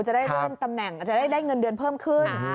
จะได้เริ่มตำแหน่งอาจจะได้เงินเดือนเพิ่มขึ้น